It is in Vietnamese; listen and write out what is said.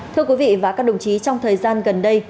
thưa quý vị và các đồng chí trong thời gian gần đây